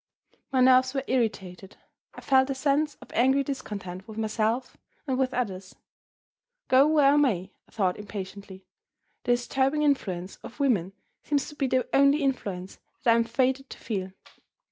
My nerves were irritated; I felt a sense of angry discontent with myself and with others. "Go where I may" (I thought impatiently), "the disturbing influence of women seems to be the only influence that I am fated to feel."